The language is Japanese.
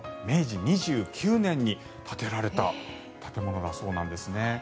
明治２９年に建てられた建物だそうです。